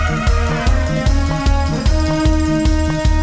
อุ๊ยใจอ่ะเทศรักษณะรักษณะ